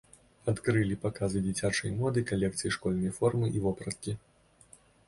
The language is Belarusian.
Адкрылі паказы дзіцячай моды калекцыі школьнай формы і вопраткі.